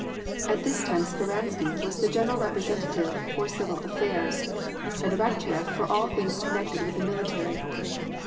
At this time, Speransky was the general representative for civil affairs, and Arakcheyef for all things connected with the military.